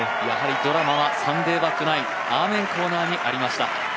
やはりドラマはサンデーバックナイン、アーメンコーナーにありました。